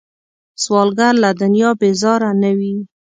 سوالګر له دنیا بیزاره نه وي